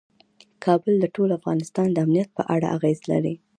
کابل د ټول افغانستان د امنیت په اړه اغېز لري.